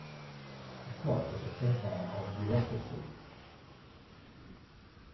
The plot is a satire on bureaucracy.